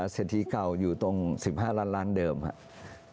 เศรษฐีเก่าอยู่ตรง๑๕ล้านล้านเดิมครับ